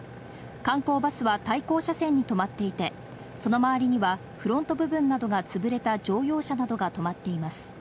観光バスは対向車線に止まっていて、その周りにはフロント部分などが潰れた乗用車などが止まっています。